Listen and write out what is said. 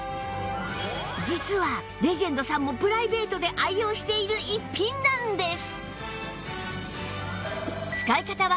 実はレジェンドさんもプライベートで愛用している逸品なんです